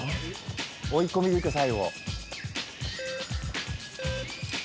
追い込みでいく最後。